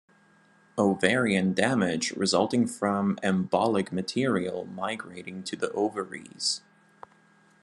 Ovarian damage resulting from embolic material migrating to the ovaries.